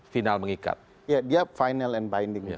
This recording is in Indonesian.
final mengikat ya dia final and binding